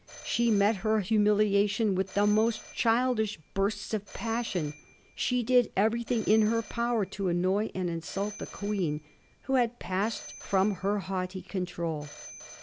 She met her humiliation with the most childish bursts of passion ; she did everything in her power to annoy and insult the Queen who had passed firom her haughty control.